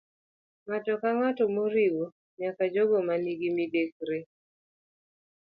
Ng'ato ka ng'ato, moriwo nyaka jogo ma nigi midekre